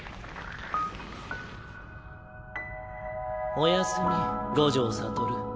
おやすみ五条悟。